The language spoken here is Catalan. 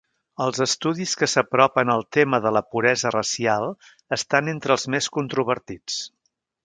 Els estudis que s'apropen al tema de la puresa racial estan entre els més controvertits.